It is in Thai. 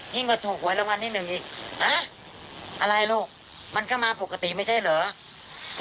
ยิ่งกว่าถูกไว้ละวันนี้หนึ่งอีกฮะอะไรลูกมันก็มาปกติไม่ใช่เหรอ